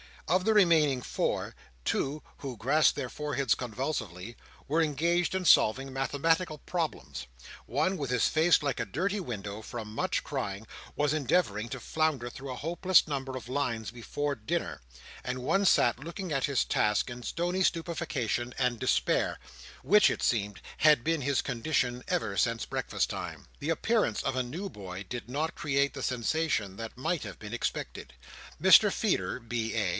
Of the remaining four, two, who grasped their foreheads convulsively, were engaged in solving mathematical problems; one with his face like a dirty window, from much crying, was endeavouring to flounder through a hopeless number of lines before dinner; and one sat looking at his task in stony stupefaction and despair—which it seemed had been his condition ever since breakfast time. The appearance of a new boy did not create the sensation that might have been expected. Mr Feeder, B.A.